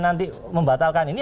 nanti membatalkan ini